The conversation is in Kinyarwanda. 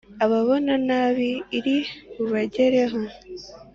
Ababona nabi iri bubagereho!